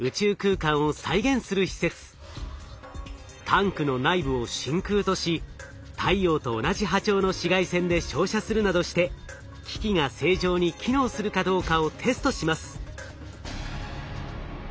タンクの内部を真空とし太陽と同じ波長の紫外線で照射するなどして機器が正常に機能するかどうかをテストします。